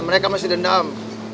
mereka masih dendam